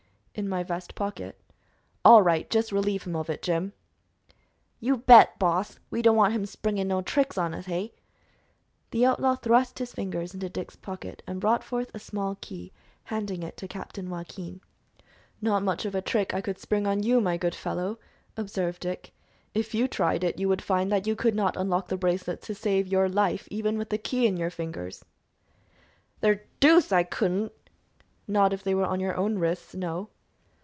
"In my vest pocket." "All right. Just relieve him of it, Jim." "You bet, boss! We don't want him springin' no tricks on us, hey?" The outlaw thrust his fingers into Dick's pocket and brought forth a small key, handing it to Captain Joaquin. "Not much of a trick I could spring on you, my good fellow," observed Dick. "If you tried it, you would find that you could not unlock the bracelets to save your life, even with the key in your fingers." "Ther doose I couldn't!" "Not if they were on your own wrists, no."